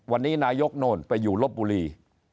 วันนี้นายกโน่นไปอยู่ลบบุรี